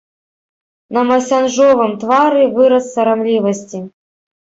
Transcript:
На масянжовым твары выраз сарамлівасці.